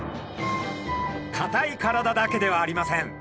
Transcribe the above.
かたい体だけではありません。